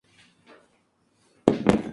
Interactive Entertainment".